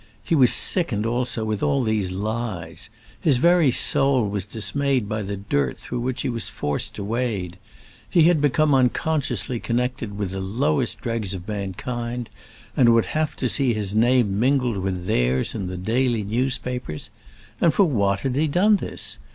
He was sickened also with all these lies. His very soul was dismayed by the dirt through which he was forced to wade. He had become unconsciously connected with the lowest dregs of mankind, and would have to see his name mingled with theirs in the daily newspapers. And for what had he done this?